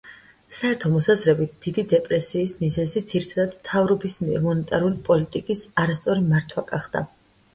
საერთო მოსაზრებით დიდი დეპრესიის მიზეზი ძირითადად მთავრობის მიერ მონეტარული პოლიტიკის არასწორი მართვა გახდა.